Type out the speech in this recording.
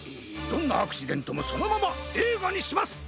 どんなアクシデントもそのままえいがにします！